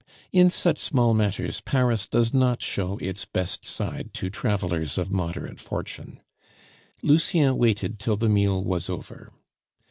In such small matters Paris does not show its best side to travelers of moderate fortune. Lucien waited till the meal was over.